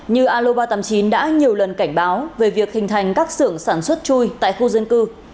như aloba tám mươi chín đã nhiều lần cảnh báo về việc hình thành các xưởng sản xuất chui tại khu dân cư